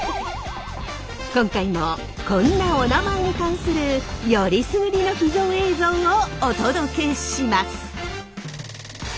今回もこんなおなまえに関するよりすぐりの秘蔵映像をお届けします！